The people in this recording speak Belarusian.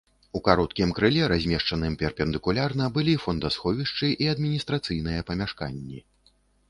У кароткім крыле, размешчаным перпендыкулярна, былі фондасховішчы і адміністрацыйныя памяшканні.